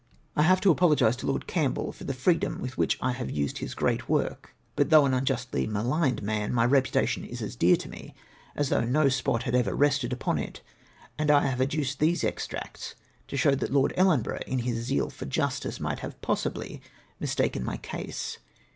I have to apologise to Lord Campbell for the free dom with Avhich I have used his great work, but though an unjustly mahgned man, my reputation is as dear to me as though no spot had ever rested upon it, and I have adduced these extracts to show that Lord EUen borough, in his zeal for justice, might have possibly mistaken my case.